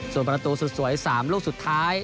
ส่วนประตูสุดสวย๓ลูกสุดท้าย